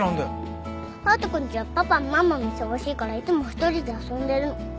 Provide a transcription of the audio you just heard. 隼人君ちはパパもママも忙しいからいつも１人で遊んでるの。